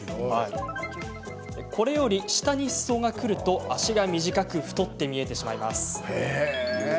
これより下にすそがくると脚が短く太って見えてしまいます。